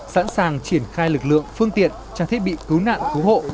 sẵn sàng triển khai lực lượng phương tiện trang thiết bị cứu nạn cứu hộ